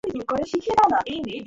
আমার মনে হয় যাত্রা শেষ।